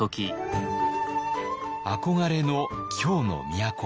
憧れの京の都。